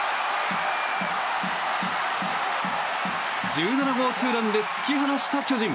１７号ツーランで突き放した巨人。